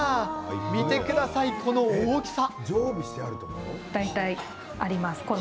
見てください、この大きさ。